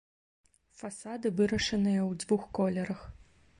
Фасады вырашаныя ў двух колерах.